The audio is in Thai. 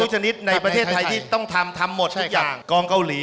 ชันตา